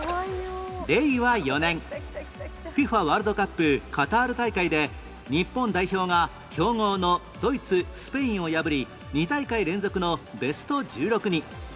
令和４年 ＦＩＦＡ ワールドカップカタール大会で日本代表が強豪のドイツスペインを破り２大会連続のベスト１６に